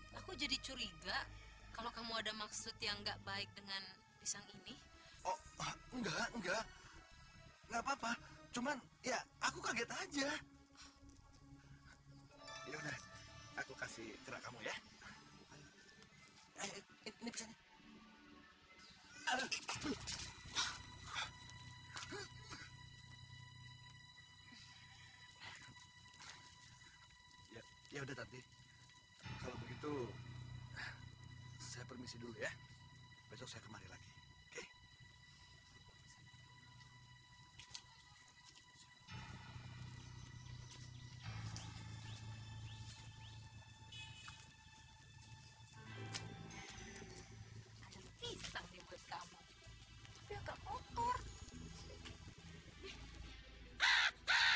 tidak tahu aku jadi curiga kalau kamu ada maksud yang gak baik dengan ini ah enggak tapi aku kaget aja